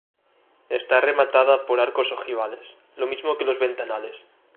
Está rematada por arcos ojivales, lo mismo que los ventanales.